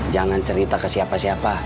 jangan cerita ke siapa siapa